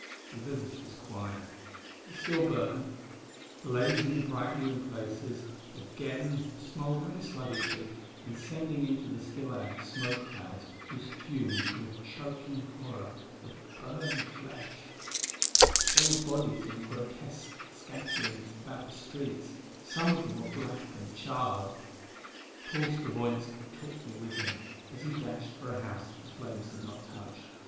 The village was quiet. It still burned, blazing brightly in places, again smouldering sluggishly and sending into the still air smoke clouds whose fumes were a choking horror of burned flesh. There were bodies in grotesque scattering about the streets; some of them were black and charred. Paul Stravoinski took me with him as he dashed for a house that the flames had not touched.